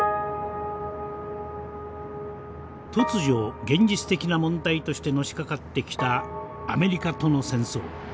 突如現実的な問題としてのしかかってきたアメリカとの戦争。